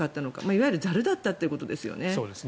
いわゆるざるだったということですよね。